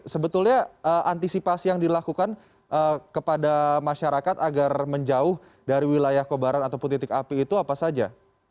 sebetulnya antisipasi yang dilakukan kepada masyarakat agar menjauh dari wilayah kobaran ataupun titik api itu apa saja